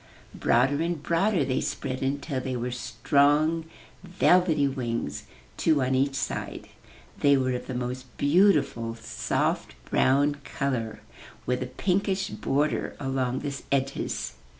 Broader and broader they spread until they were strong, velvety wings, two on each side. They were of the most beautiful soft brown color, with a pinkish border along the edges.